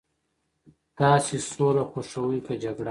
تاسي سوله خوښوئ که جګړه؟